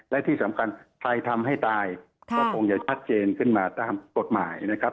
และที่สำคัญใครทำให้ตายก็คงจะชัดเจนขึ้นมาตามกฎหมายนะครับ